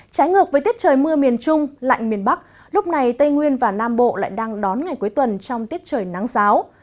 trái ngược với tiết trời mưa miền trung lạnh miền bắc lúc này tây nguyên và nam bộ lại đang đón ngày cuối tuần trong tiết trời nắng giáo